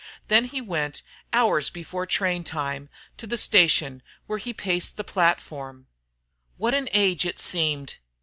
Then he went, hours before train time, to the station where he paced the platform. What an age it seemed!